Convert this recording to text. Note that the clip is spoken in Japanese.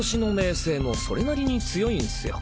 青もそれなりに強いんすよ。